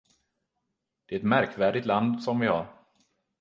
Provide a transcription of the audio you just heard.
Det är ett märkvärdigt land som vi har.